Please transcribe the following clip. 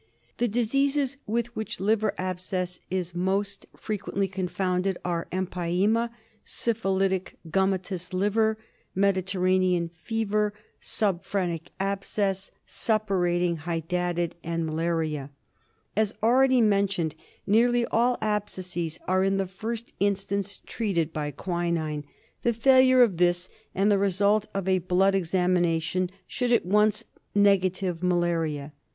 The diseases with which liver abscess is most frequently confounded are empyema, syphilitic gum matous liver, Mediterranean fever, subphrenic abscess, sup purating hydatid, malaria. As already mentioned, nearly all abscesses are in the first instance treated by quinine. The failure of this, and the result of a blood examination should at once negative malaria.